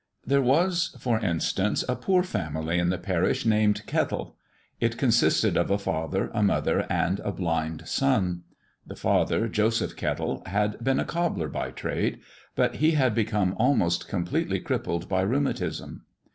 There was, for instance, a poor family in the parish named Kettle. It consisted of a father, a mother, and a blind son. The father, Joseph Kettle, had been a cobbler by trade, but he had become almost completely crippled by rheumatism.